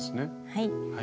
はい。